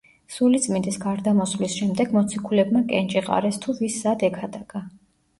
სულიწმიდის გარდამოსვლის შემდეგ მოციქულებმა კენჭი ყარეს თუ ვის სად ექადაგა.